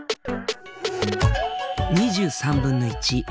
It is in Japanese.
２３分の１。